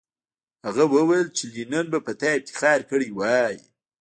هغه وویل چې لینن به په تا افتخار کړی وای